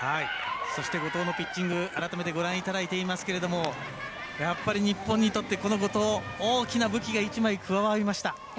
そして、後藤のピッチングご覧になっていただいていますがやっぱり日本にとってこの後藤大きな武器が１枚加わりました。